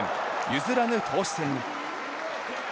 譲らぬ投手戦に。